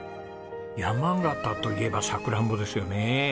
山形といえばさくらんぼですよね。